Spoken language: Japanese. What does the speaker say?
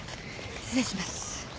失礼します。